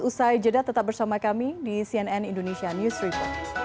usai jeda tetap bersama kami di cnn indonesia news report